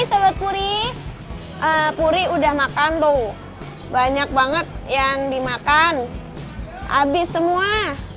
hai sobat puri puri udah makan tuh banyak banget yang dimakan habis semua